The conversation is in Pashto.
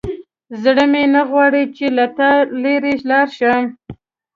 زړه مې نه غواړي چې له تا څخه لیرې لاړ شم.